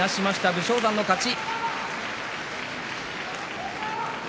武将山の勝ち。